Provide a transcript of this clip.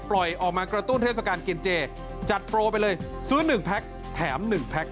ปล่อยออกมากระตุ้นเทศกาลกินเจจัดโปรไปเลยซื้อหนึ่งแพ็กแถมหนึ่งแพ็ก